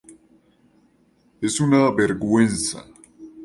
Es una vergüenza".